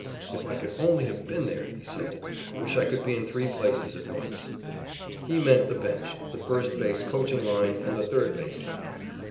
"If I could only have been there!" he said. "I wish I could be in three places at once." He meant the bench, the first base coaching line, and the third base line.